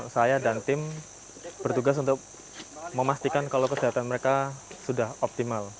saya dan tim bertugas untuk memastikan kalau kesehatan mereka sudah optimal